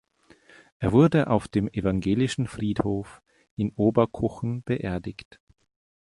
Er wurde auf dem evangelischen Friedhof in Oberkochen beerdigt.